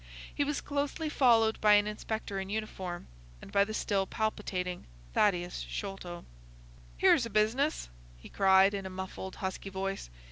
He was closely followed by an inspector in uniform, and by the still palpitating Thaddeus Sholto. "Here's a business!" he cried, in a muffled, husky voice.